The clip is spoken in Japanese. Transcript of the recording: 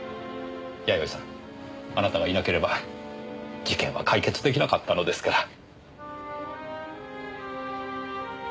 やよいさんあなたがいなければ事件は解決できなかったのですから。